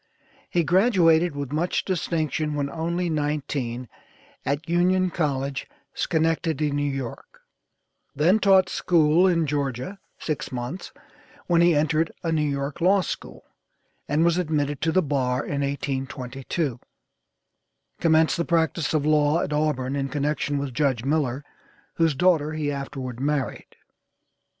He graduated with much distinction when only nineteen at Union College, Schenectady, New York, then taught school in Georgia six months when he entered a New York law school, and was admitted to the bar in 1822; commenced the practice of law at Auburn in connection with Judge Miller, whose daughter he afterward married.